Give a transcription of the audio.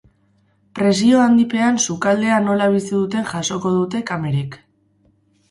Presio handi pean sukaldea nola bizi duten jasoko dute kamerek.